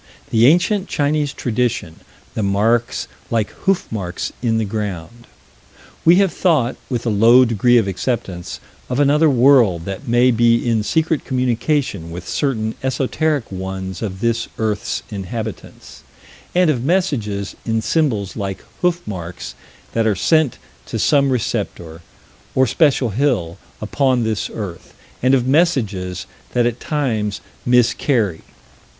The ancient Chinese tradition the marks like hoof marks in the ground. We have thought with a low degree of acceptance of another world that may be in secret communication with certain esoteric ones of this earth's inhabitants and of messages in symbols like hoof marks that are sent to some receptor, or special hill, upon this earth and of messages that at times miscarry.